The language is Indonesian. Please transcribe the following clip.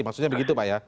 maksudnya begitu pak ya